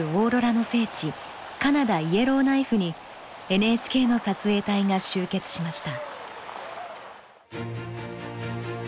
カナダイエローナイフにＮＨＫの撮影隊が集結しました。